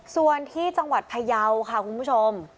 ส่วนที่จังหวัดพยาวค่ะคุณผู้ชม